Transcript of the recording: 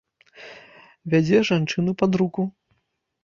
Вядзе жанчыну пад руку.